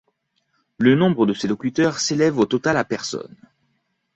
Le nombre de ses locuteurs s'élève au total à personnes.